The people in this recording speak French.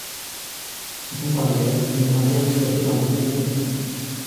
Citons parmi elle, une gravière exploité par le groupe Vicat.